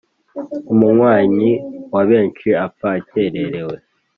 Umunywanyi wa benshi apfa akererewe.